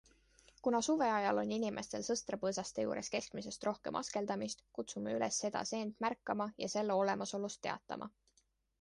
Kuna suveajal on inimestel sõstrapõõsaste juures keskmisest rohkem askeldamist, kutsume üles seda seent märkama ja selle olemasolust teatama.